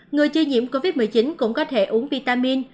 người chưa nhiễm covid một mươi chín cũng có thể uống vitamin